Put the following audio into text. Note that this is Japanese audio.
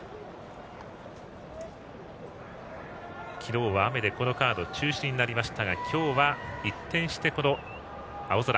昨日は雨でこのカードは中止になりましたが今日は一転して青空。